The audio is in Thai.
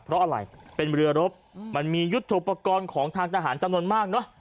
เพราะอะไรเป็นเรือรบมันมียุทธโปรกรณ์ของทางทหารจำนวนมากเนอะ